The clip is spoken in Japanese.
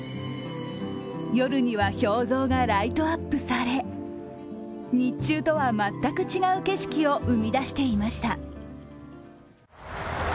夜には氷像がライトアップされ日中とは全く違う景色を生み出していました。